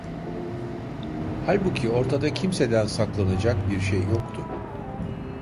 Halbuki ortada kimseden saklanacak bir şey yoktu.